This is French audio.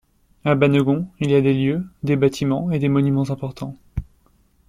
À Bannegon, il y a des lieux, des bâtiments et des monuments importants.